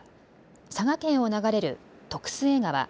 佐賀県を流れる徳須恵川